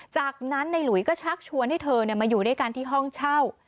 จากนั้นในหลุยก็ชักชวนให้เธอมาอยู่ด้วยกันที่ห้องเช่า